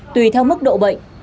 tùy theo mức độ bệnh